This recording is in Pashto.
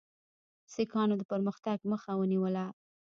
سیکهانو د پرمختګ مخه ونیوله.